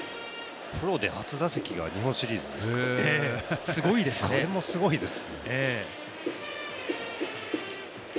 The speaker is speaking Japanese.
プロで初打席が日本シリーズですか、それもすごいです。